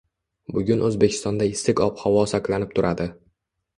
Bugun O‘zbekistonda issiq ob-havo saqlanib turadi